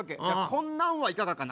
「こんなんはいかがかな？」